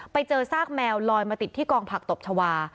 ไปเจอซากแมวลอยมาติดที่กองผักตบชาวา